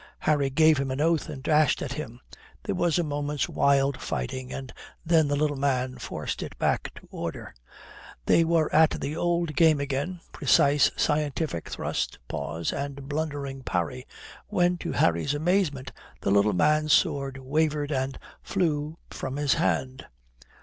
Harry gave him an oath and dashed at him. There was a moment's wild fighting and then the little man forced it back to order. They were at the old game again, precise scientific thrust, pause, and blundering parry, when to Harry's amazement the little man's sword wavered and flew from his hand.